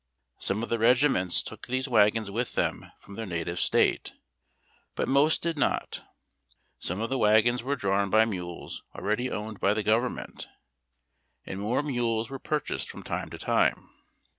Some of the regiments took these wagons with them from their native State, but most did not. Some of the wagons were drawn by mules already owned by the government, and more mules were purchased from time to time.